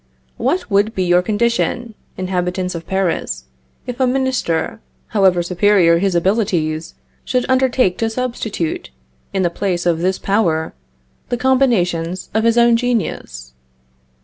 What would be your condition, inhabitants of Paris, if a minister, however superior his abilities, should undertake to substitute, in the place of this power, the combinations of his own genius?